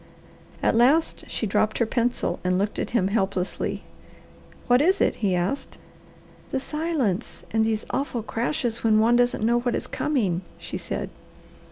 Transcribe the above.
At last she dropped her pencil and looked at him helplessly. "What is it?" he asked. "The silence and these awful crashes when one doesn't know what is coming," she said.